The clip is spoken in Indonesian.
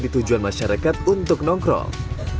dan itu juga tujuan masyarakat untuk nongkrong